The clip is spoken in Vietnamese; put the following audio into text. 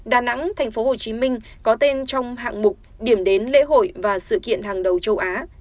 đà nẵng tp hcm có tên trong hạng mục điểm đến lễ hội và sự kiện hàng đầu châu á